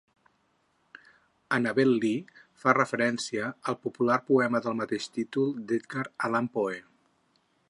"Annabel Lee" fa referència al popular poema del mateix títol d'Edgar Allan Poe.